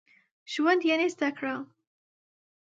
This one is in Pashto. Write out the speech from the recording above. ژوند يعني زده کړه.